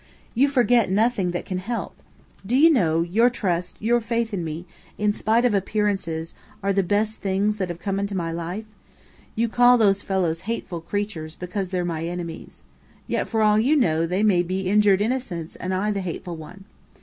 You forget nothing that can help. Do you know, your trust, your faith in me, in spite of appearances, are the best things that have come into my life? You call those fellows 'hateful creatures,' because they're my enemies. Yet, for all you know, they may be injured innocents and I the 'hateful' one.